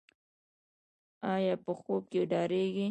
ایا په خوب کې ډاریږي؟